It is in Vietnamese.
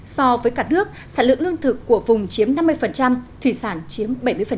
so với cả nước sản lượng lương thực của vùng chiếm năm mươi thủy sản chiếm bảy mươi